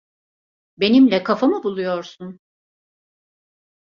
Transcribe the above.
Benimle kafa mı buluyorsun?